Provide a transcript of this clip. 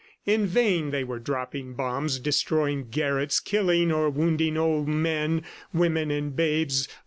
In vain they were dropping bombs, destroying garrets, killing or wounding old men, women and babes.